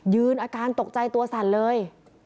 อาการตกใจตัวสั่นเลย